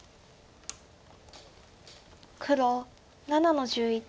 黒７の十一。